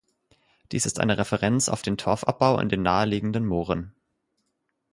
Dies ist eine Referenz auf den Torfabbau in den nahe liegenden Mooren.